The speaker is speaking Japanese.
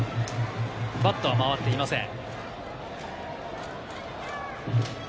バットは回っていません。